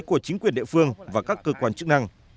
của chính quyền địa phương và các cơ quan chức năng